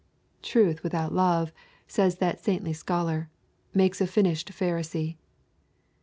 'Truth without love,' says that saintly scholar, 'makes a finished Pharisee.'